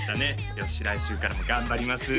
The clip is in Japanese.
よし来週からも頑張ります！